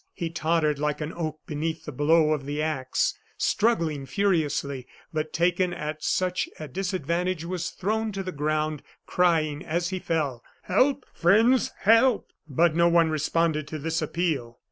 He tottered like an oak beneath the blow of the axe, struggled furiously, but taken at such a disadvantage was thrown to the ground, crying, as he fell: "Help! friends, help!" But no one responded to this appeal.